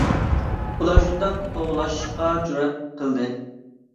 ئۇلار شۇنداق توۋلاشقا جۈرئەت قىلدى.